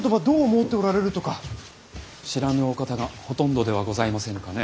知らぬお方がほとんどではございませぬかね。